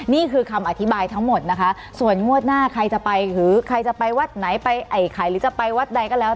นี่คือคำอธิบายทั้งหมดนะคะส่วนงวดหน้าใครจะไปหรือใครจะไปวัดไหนไปไอ้ไข่หรือจะไปวัดใดก็แล้ว